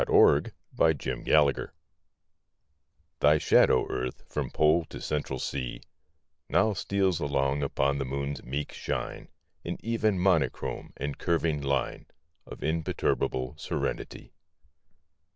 AT A LUNAR ECLIPSE THY shadow, Earth, from Pole to Central Sea, Now steals along upon the Moon's meek shine In even monochrome and curving line Of imperturbable serenity.